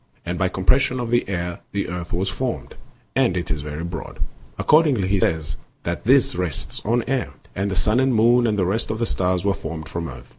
And by compres sion of the air the earth was formed, and it is very broad ; accordingly he says that this rests on air; and the sun and the moon and the rest of the stars were formed from earth.